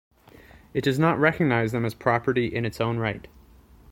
It does not recognize them as property in its own right.